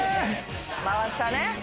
回したね。